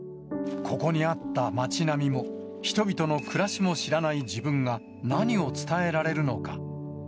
ここにあった町並みも、人々の暮らしも知らない自分が、何を伝えられるのか。